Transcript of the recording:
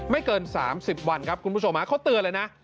เกิน๓๐วันครับคุณผู้ชมเขาเตือนเลยนะ